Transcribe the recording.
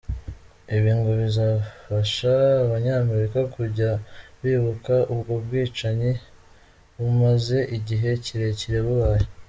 Ibi ngo bizafasha Abanyamerika kujya bibuka ubwo bwicanyi bumaze igihe kirekire bubaye.